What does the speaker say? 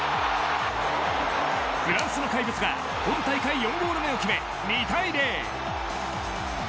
フランスの怪物が今大会４ゴール目を決め２対０。